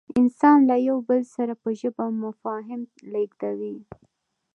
انسانان له یو بل سره په ژبه مفاهیم لېږدوي.